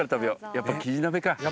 やっぱキジ鍋か。